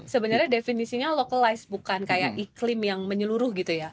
sebenarnya definisinya localized bukan kayak iklim yang menyeluruh gitu ya